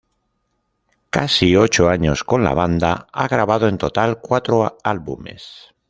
Casi ocho años con la banda, ha grabado en total cuatro álbumes.